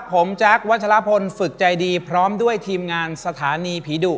ผมแจ๊ควัชลพลฝึกใจดีพร้อมด้วยทีมงานสถานีผีดุ